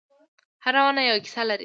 هره ونه یوه کیسه لري.